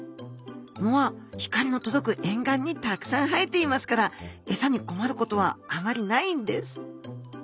藻は光の届く沿岸にたくさんはえていますからエサに困ることはあまりないんです。